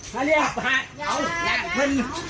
มานี่